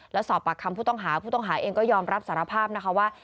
แล้วสอบปากคำผู้ต้องหาผู้ต้องหาเองก็ยอมรับสารภาพนะคะว่า